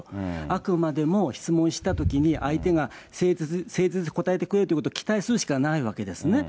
あくまでも質問したときに、相手が誠実に答えてくれるということを期待するしかないわけですね。